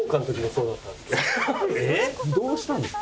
どうしたんですか？